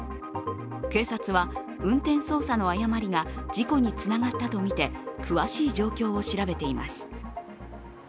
警察は運転操作の誤りが事故につながったとみて詳しい状況を調べています。